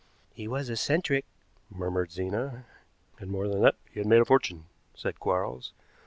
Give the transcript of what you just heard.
"He was eccentric," murmured Zena. "And more than that he had made a fortune," said Quarles.